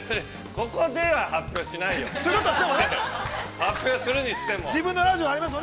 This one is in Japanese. ここでは発表しないよ。